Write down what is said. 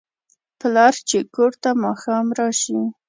پلار چې کور ته ماښام راشي